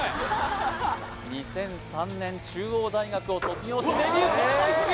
２００３年中央大学を卒業してデビューこれも１球！